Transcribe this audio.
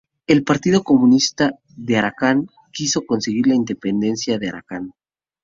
El Partido Comunista de Arakan quiso conseguir la independencia de Arakan.